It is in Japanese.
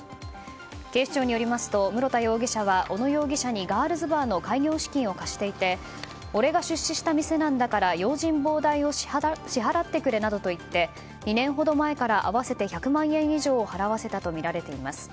警視庁によりますと室田容疑者は、小野容疑者にガールズバーの開業資金を貸していて俺が出資した店なんだから用心棒代を支払ってくれなどと言って２年ほど前から合わせて１００万円以上を払わせたとみられています。